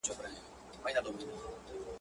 چي د خلکو یې لوټ کړي وه مالونه.